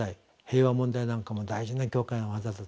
平和問題なんかも大事な教会の業だと。